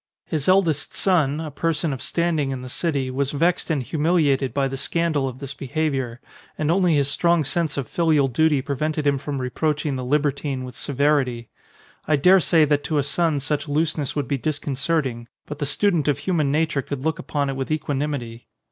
His eldest son, a person of standing in the city, was vexed and humiliated by the scandal of this be haviour; and only his strong sense of filial duty prevented him from reproaching the libertine with severity. I daresay that to a son such looseness would be disconcerting, but the student of human nature could look upon it with equanimity.